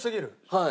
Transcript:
はい。